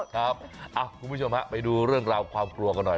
คุณผู้ชมฮะไปดูเรื่องราวความกลัวกันหน่อย